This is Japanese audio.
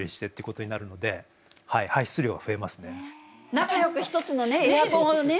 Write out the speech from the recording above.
仲良く一つのエアコンをね